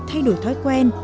thay đổi thói quen